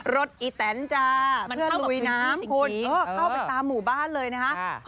อีแตนจ้าเพื่อลุยน้ำคุณเข้าไปตามหมู่บ้านเลยนะคะ